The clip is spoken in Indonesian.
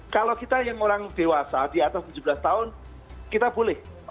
kalau kita yang orang dewasa di atas tujuh belas tahun kita boleh